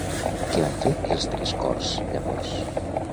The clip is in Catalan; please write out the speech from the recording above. Què van fer els tres cors llavors?